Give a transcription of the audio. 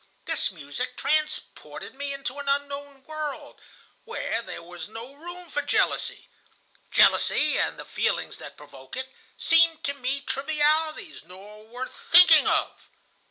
This music transported me into an unknown world, where there was no room for jealousy. Jealousy and the feelings that provoke it seemed to me trivialities, nor worth thinking of.